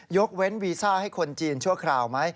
ยกเว้นวีซ่าให้คนจีนชั่วคราวไหม